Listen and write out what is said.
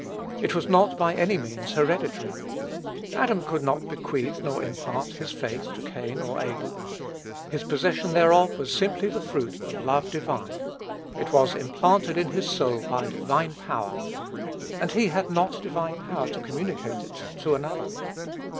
It was not, by any means, hereditary. Adam could not bequeath nor impart his faith to Cain or Abel. His possession thereof was simply the fruit of love divine. It was implanted in his soul by divine power; and he had not divine power to communicate it to another.